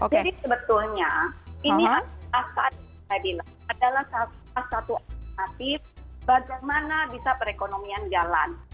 jadi sebetulnya ini adalah salah satu alternatif bagaimana bisa perekonomian jalan